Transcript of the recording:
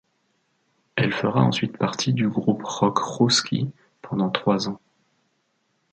Elle fera ensuite partie du groupe rock Hrošči pendant trois ans.